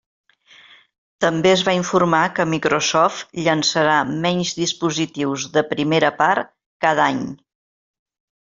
També es va informar que Microsoft llançarà menys dispositius de primera part cada any.